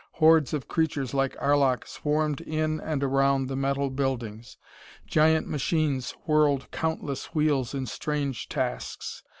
Hordes of creatures like Arlok swarmed in and around the metal buildings. Giant machines whirled countless wheels in strange tasks.